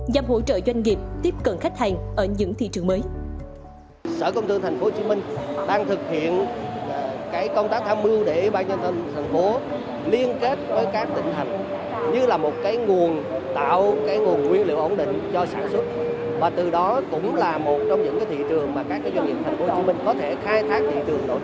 nhằm hỗ trợ doanh nghiệp tiếp cận khách hàng ở những thị trường mới